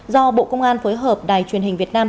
do bộ công an phối hợp đài truyền hình việt nam